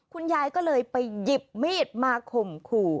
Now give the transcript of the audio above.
คุณยายก็เลยไปหยิบมีดมาข่มขู่